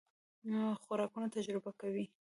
خوراکونه تجربه کوئ؟